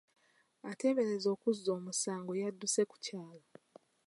Ateeberezebwa okuzza omusango yadduse ku kyalo.